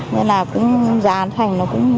nên là cũng giảm thành